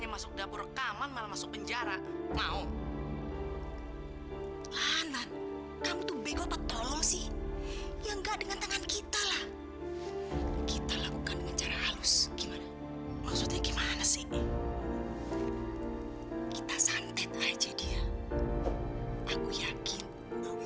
jadi syuyun bener bener meninggal